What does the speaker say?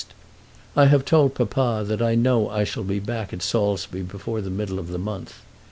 I have told papa that I know I shall be back at Saulsby before the middle of the month.